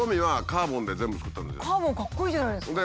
カーボンかっこいいじゃないですか。